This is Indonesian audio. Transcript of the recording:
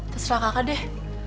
terserah kakak deh